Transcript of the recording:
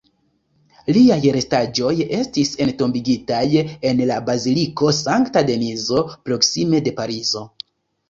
Liaj restaĵoj estis entombigitaj en la baziliko Sankta Denizo, proksime de Parizo.